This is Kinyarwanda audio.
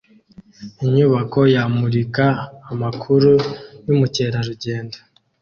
Inyubako yamurika amakuru yubukerarugendo